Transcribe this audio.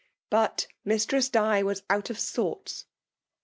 But Mistress Di was out of sorts.